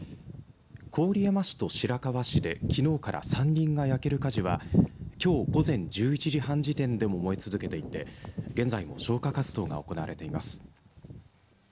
郡山市と白河市できのうから山林が焼ける火事はきょう午前１１時半時点でも燃え続けていて現在も消火活動が行われています。